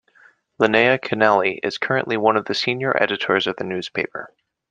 Liana Kanelli is currently one of the senior editors of the newspaper.